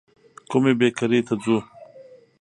کومي بېکرۍ ته ځو ؟